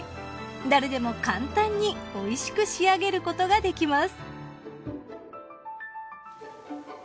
誰でも簡単においしく仕上げることができます。